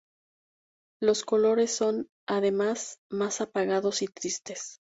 Los colores son, además, más apagados y tristes.